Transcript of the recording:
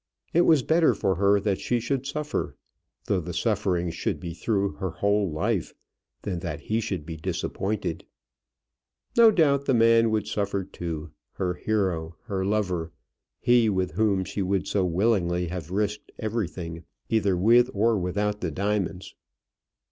It was better for her that she should suffer, though the suffering should be through her whole life, than that he should be disappointed. No doubt the man would suffer too, her hero, her lover, he with whom she would so willingly have risked everything, either with or without the diamonds.